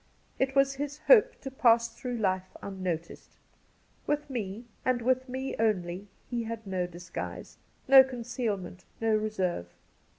It was his hope to pass through life unnoticed. With me, and with me only, he had no disguise, no concealment, no reserve